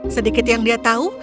sedikit yang dia tahu